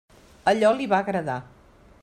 Allò li va agradar.